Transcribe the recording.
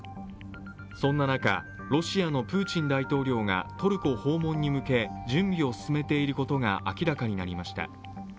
そんな中、ロシアのプーチン大統領がトルコ訪問に向け、準備を進めていることが明らかになりました。